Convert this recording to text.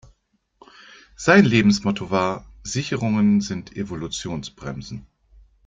Sein Lebensmotto war: Sicherungen sind Evolutionsbremsen.